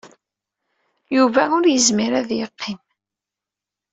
Yuba ur yezmir ad yeqqim.